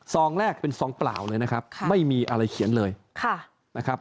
แรกเป็นซองเปล่าเลยนะครับไม่มีอะไรเขียนเลยนะครับ